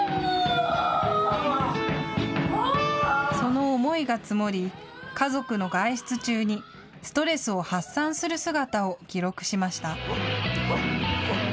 その思いが積もり家族の外出中にストレスを発散する姿を記録しました。